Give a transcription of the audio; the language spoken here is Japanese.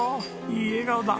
いい笑顔だ。